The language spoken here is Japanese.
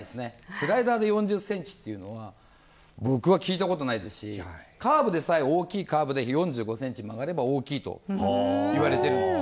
スライダーで４０センチというのは僕は聞いたことないですしカーブでさえ大きくて４５センチ曲がれば大きいと言われているんです。